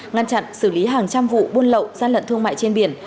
ngăn chặn xử lý hàng trăm vụ buôn lậu gian lận thương mại trên biển